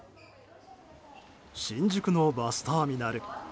新宿のバスターミナル。